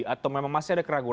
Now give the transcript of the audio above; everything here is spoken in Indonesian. atau memang masih ada keraguan